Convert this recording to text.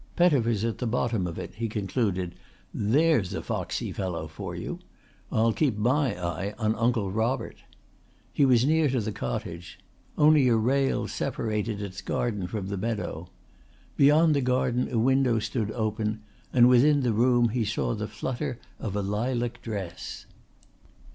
"Pettifer's at the bottom of it," he concluded. "There's a foxy fellow for you. I'll keep my eye on Uncle Robert." He was near to the cottage. Only a rail separated its garden from the meadow. Beyond the garden a window stood open and within the room he saw the flutter of a lilac dress.